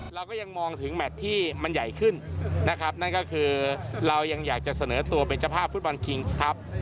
เราก็ยังมองถึงแมทที่มันใหญ่ขึ้นนะครับนั่นก็คือเรายังอยากจะเสนอตัวเป็นเจ้าภาพฟุตบอลคิงส์ครับ